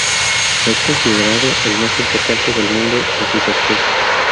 Es considerado el más importante del mundo en su sector.